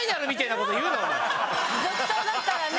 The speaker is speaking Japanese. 続投だったらね。